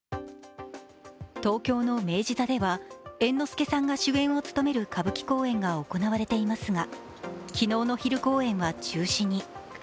東京の明治座では猿之助さんが主演を務める歌舞伎公演が行われていますが昨日の昼公演は中止に。